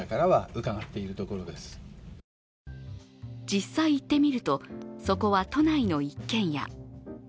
実際行ってみるとそこは、都内の一軒家。